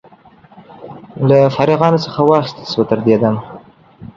له فارغانو څخه واخیستل شوه. تر دې دمه